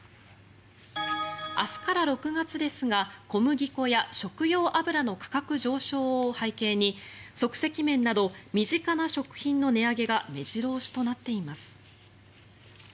明日から６月ですが小麦粉や食用油の価格上昇を背景に即席麺など身近な食品の値上げが目白押しとなっています。